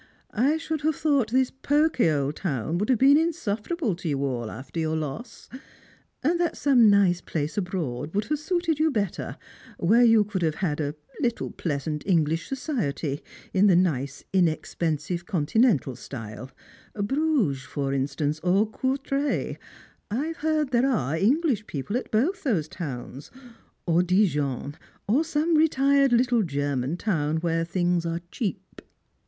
1 5BTonld have thought this pokey old town would have been insutierable to you all alter your loss, and that some nice place abroad would have suited you better, where you could have had a little pleasant English societ}' in the nice inexpen sive continental stjde — Bruges for instance, or Courtrai — I've heard there are English people at both those towns ; or Dijon, or some retired little German town where things are cheap."